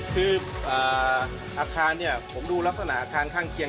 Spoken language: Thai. คืออาคารเนี่ยผมดูลักษณะอาคารข้างเคียง